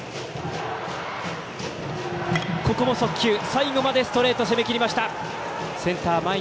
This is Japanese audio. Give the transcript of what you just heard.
最後までストレート攻めきりました。